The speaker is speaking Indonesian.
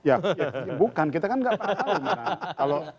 ya bukan kita kan enggak pernah tahu